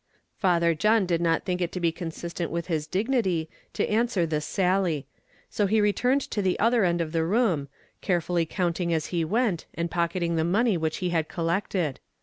Father John did not think it to be consistent with his dignity to answer this sally; so he returned to the other end of the room, carefully counting as he went, and pocketing the money which he had collected.